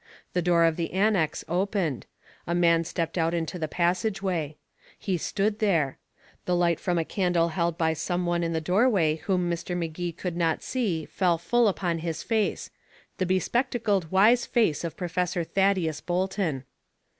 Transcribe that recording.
The door of the annex opened. A man stepped out into the passageway. He stood there The light from a candle held by some one in the doorway whom Mr. Magee could not see fell full upon his face the bespectacled wise face of Professor Thaddeus Bolton.